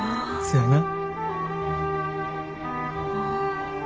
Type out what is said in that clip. そやな。